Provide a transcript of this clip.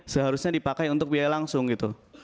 seharusnya dipakai untuk biaya langsung gitu